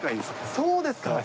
そうですか。